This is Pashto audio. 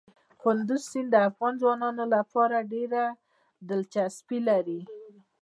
کندز سیند د افغان ځوانانو لپاره ډېره دلچسپي لري.